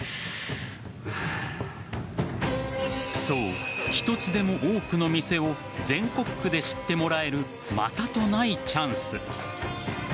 そう、一つでも多くの店を全国区で知ってもらえるまたとないチャンス。